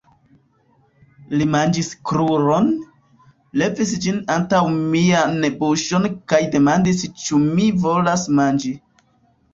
Li manĝis kruron, levis ĝin antaŭ mian buŝon kaj demandis ĉu mi volas manĝi.